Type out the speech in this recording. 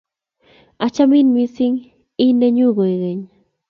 Achamin missing', i nenyun koingeny.